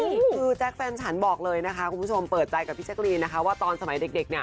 คือแจ๊คแฟนฉันบอกเลยนะคะคุณผู้ชมเปิดใจกับพี่แจ๊กรีนนะคะว่าตอนสมัยเด็กเนี่ย